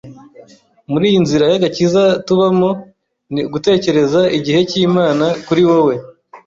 muri iyi nzira y’agakiza tubamo, ni ugutegereza igihe cy’Imana kuri wowe.